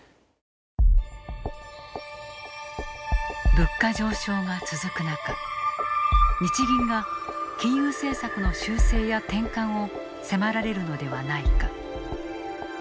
物価上昇が続く中日銀が金融政策の修正や転換を迫られるのではないか。